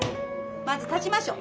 まず立ちましょう。